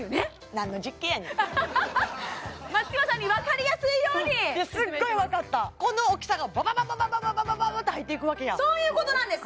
何の実験やねん松嶋さんにわかりやすいようにうんすっごいわかったこのおっきさがババババババって入っていくわけやそういうことなんです